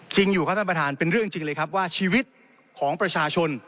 จริงอยู่ครับท่านประธานเป็นเรื่องจริงเลยครับว่าชีวิตของประชาชน